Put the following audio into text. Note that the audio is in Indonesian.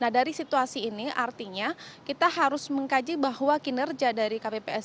nah dari situasi ini artinya kita harus mengkaji bahwa kinerja dari kpps